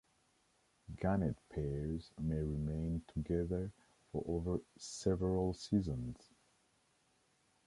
Gannet pairs may remain together over several seasons.